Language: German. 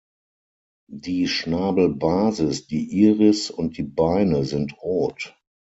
Die Schnabelbasis, die Iris und die Beine sind rot.